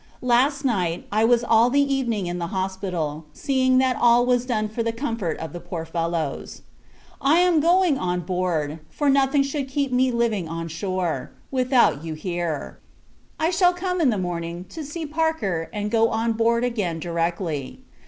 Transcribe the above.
Last night, I was all the evening in the Hospital, seeing that all was done for the comfort of the poor fellows. I am going on board; for nothing should keep me living on shore, without you were here. I shall come in the morning, to see Parker, and go on board again directly.